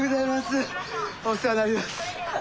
お世話になります。